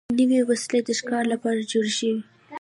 نوې وسلې د ښکار لپاره جوړې شوې.